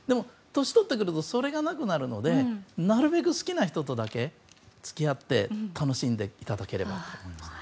年を取ってくるとそれがなくなるのでなるべく好きな人とだけ付き合って楽しんでいただければ。